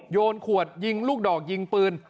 โยนขวดยิงลูกดอกยิงปืน